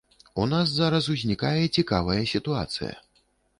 У нас зараз узнікае цікавая сітуацыя.